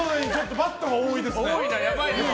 バッドが多いですね。